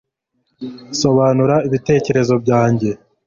sobanura ibitekerezo byanjye